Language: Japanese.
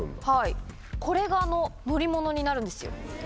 これが乗り物になるんですよ。